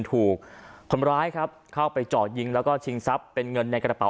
ถูกคนร้ายครับเข้าไปเจาะยิงแล้วก็ชิงทรัพย์เป็นเงินในกระเป๋